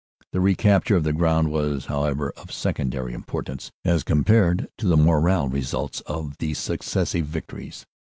The recapture of the ground was, however, of secondary im portance as compared to the moral results of these successive victories.